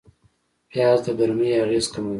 پیاز د ګرمۍ اغېز کموي